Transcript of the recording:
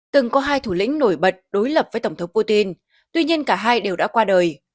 từng có hai thủ lĩnh nổi bật đối lập với tổng thống putin tuy nhiên cả hai đều đã qua đời